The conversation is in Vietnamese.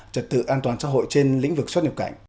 trật tự an toàn xã hội trên lĩnh vực xuất nhập cảnh